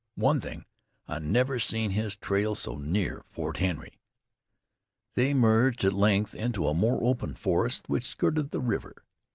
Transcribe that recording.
One thing, I never seen his trail so near Fort Henry." They emerged at length into a more open forest which skirted the river.